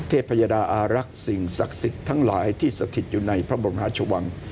เทพยดาอารักษ์สิ่งศักดิ์สิทธิ์ทั้งหลายที่สถิตอยู่ในพระบรมหาชวัง